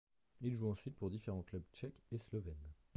Il joue ensuite pour différents clubs tchèques et slovènes.